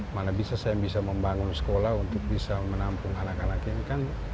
mana bisa saya membangun sekolah untuk menampung anak anak yang